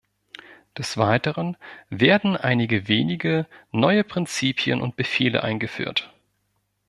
Des Weiteren werden einige wenige neue Prinzipien und Befehle eingeführt.